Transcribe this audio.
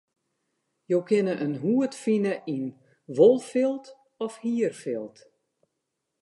Jo kinne in hoed fine yn wolfilt of hierfilt.